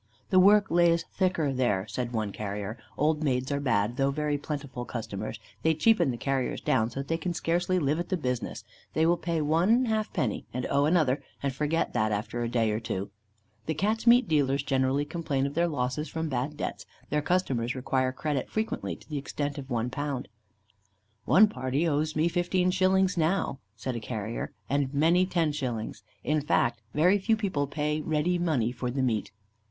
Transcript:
"'The work lays thicker there,' said one carrier. 'Old maids are bad, though very plentiful customers: they cheapen the carriers down so that they can scarcely live at the business: they will pay one half penny, and owe another, and forget that after a day or two.' The Cats' meat dealers generally complain of their losses from bad debts: their customers require credit frequently to the extent of £1. "'One party owes me 15_s._ now,' said a carrier, 'and many 10_s._; in fact, very few people pay ready money for the meat.